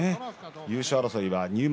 優勝争いは入幕